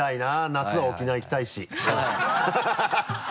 夏は沖縄行きたいしハハハ